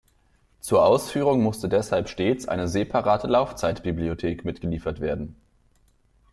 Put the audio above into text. Zur Ausführung musste deshalb stets eine separate Laufzeitbibliothek mitgeliefert werden.